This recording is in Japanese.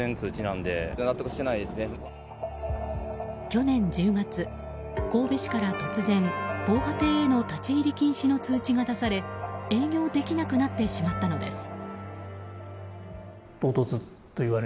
去年１０月、神戸市から突然、防波堤への立ち入り禁止の通知が出され営業できなくなってしまったのです。